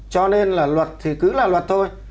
cho nên là luật thì cứ là luật thôi